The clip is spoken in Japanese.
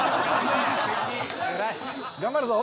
頑張るぞ！